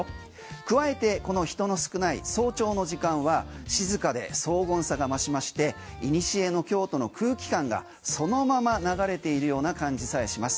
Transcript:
加えて、この人の少ない早朝の時間は静かで荘厳さが増しましていにしえの京都の空気感がそのまま流れているような感じさえします。